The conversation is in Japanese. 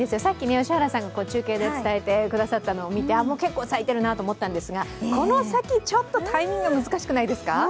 良原さんが中継で伝えてくれたのを見てもう結構、咲いているなと思ったんですが、この先ちょっとタイミング難しくないですか？